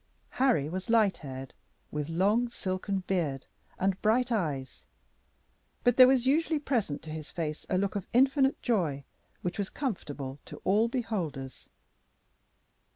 Harry was light haired, with long, silken beard, and bright eyes; but there was usually present to his face a look of infinite joy, which was comfortable to all beholders.